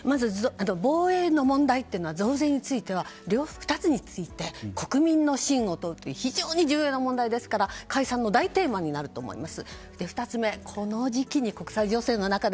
防衛の問題というのは増税については２つについて国民の信を問うという非常に重要な問題ですから解散の大テーマになると思います。